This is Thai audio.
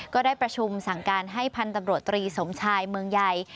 ก็ได้ประชุมสั่งการให้พันธุ์ตำรวจตรีสมชายเมืองใหญ่